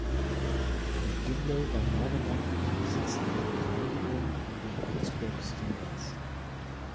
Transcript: McGinley war jahrelang in Besitz einer Beteiligung an den Pittsburgh Steelers.